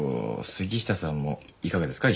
杉下さんもいかがですか？